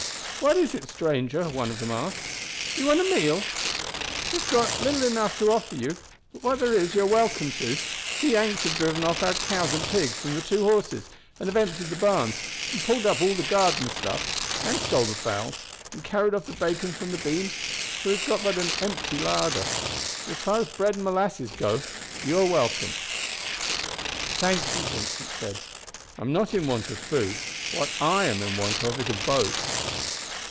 "What is it, stranger?" one of them asked. "Do you want a meal? We have got little enough to offer you, but what there is you are welcome to; the Yanks have driven off our cows and pigs and the two horses, and have emptied the barns, and pulled up all the garden stuff, and stole the fowls, and carried off the bacon from the beams, so we have got but an empty larder. But as far as bread and molasses go, you are welcome." "Thank you," Vincent said; "I am not in want of food. What I am in want of is a boat."